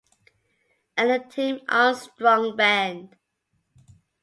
And The Tim Armstrong band.